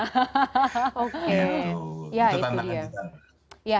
itu tantangan kita